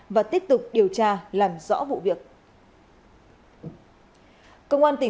và tiếp tục điều tra làm rõ vụ việc